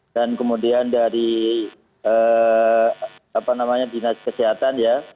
dan kemudian dari apa namanya dinas kesehatan ya